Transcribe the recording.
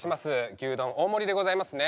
牛丼大盛りでございますね。